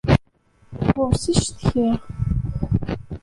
Ɣur-s i cektaɣ.